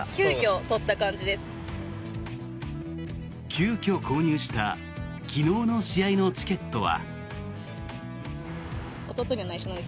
急きょ購入した昨日の試合のチケットは。